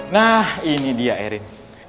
nah ini dia erin